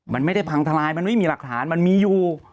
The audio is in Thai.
มันไม่ได้พังทลายมันไม่มีหลักฐานมันมีอยู่